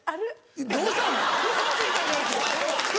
どうしたん？